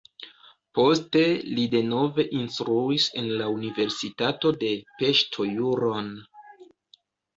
Poste li denove instruis en la universitato de Peŝto juron.